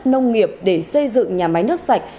nông nghiệp để xây dựng nhà máy nước sạch